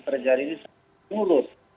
terjadi ini sebuah mulut